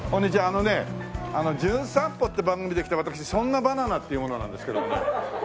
あのね『じゅん散歩』って番組で来た私そんなバナナっていう者なんですけどもね。